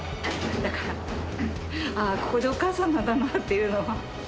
だから、ああ、ここでお母さんなんだなというのは。